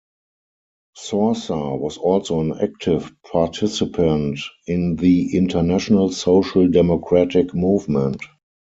Sorsa was also an active participant in the international social democratic movement.